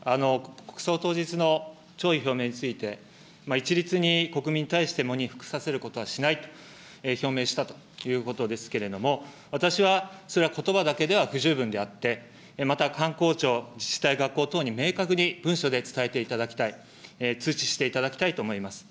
国葬当日の弔意表明について、一律に国民にたいして喪に服させることはしないと表明したということですけれども、私は、それはことばだけでは不十分であって、また、官公庁、自治体、学校等に明確に文書で伝えていただきたい、通知していただきたいと思います。